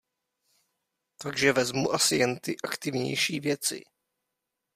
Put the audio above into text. Takže vezmu asi jen ty aktivnější věci.